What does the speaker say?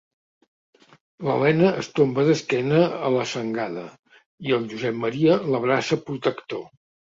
L'Elena es tomba d'esquena a la sangada i el Josep Maria l'abraça, protector.